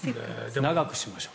長くしましょう。